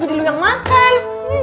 jadi lo yang makan